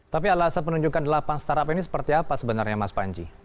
tapi alasan penunjukan delapan startup ini seperti apa sebenarnya mas panji